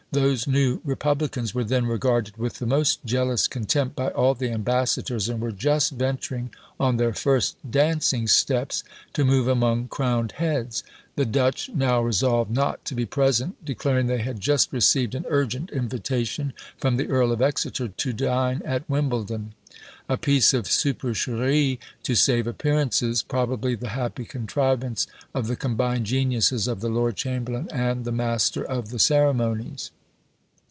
Those new republicans were then regarded with the most jealous contempt by all the ambassadors, and were just venturing on their first dancing steps, to move among crowned heads. The Dutch now resolved not to be present; declaring they had just received an urgent invitation, from the Earl of Exeter, to dine at Wimbledon. A piece of supercherie to save appearances; probably the happy contrivance of the combined geniuses of the lord chamberlain and the master of the ceremonies!